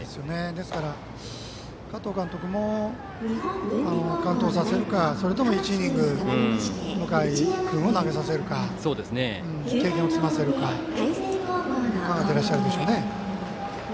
ですから、加藤監督も完投させるかそれとも１イニング向井君を投げさせるか経験を積ませるか考えていらっしゃるでしょうね。